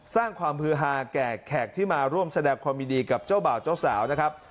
สร้างความฮือฮาแก่แขกที่มาร่วมแสดงความยินดีกับเจ้าบ่าวเจ้าสาวนะครับ